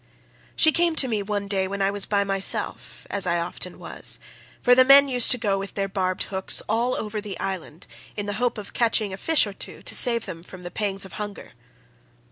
"She came to me one day when I was by myself, as I often was, for the men used to go with their barbed hooks, all over the island in the hope of catching a fish or two to save them from the pangs of hunger.